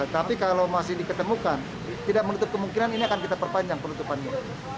tapi kalau masih diketemukan tidak menutup kemungkinan ini akan kita perpanjang penutupannya